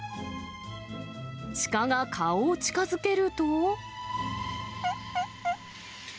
シカが顔を近づけると。